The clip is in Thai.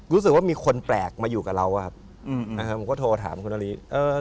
รู้สึกว่ามีคนแปลกมาอยู่กับเราผมก็โทรถามคุณอารี